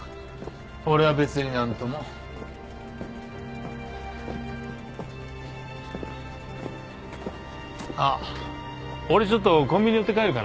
俺は別に何とも。あっ俺ちょっとコンビニ寄って帰るから。